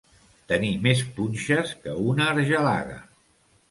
Tenir més punxes que una argelaga.